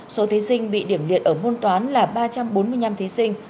số thí sinh bị điểm liệt ở môn toán là ba trăm bốn mươi năm thí sinh